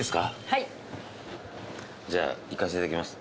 はい。じゃあいかせて頂きます。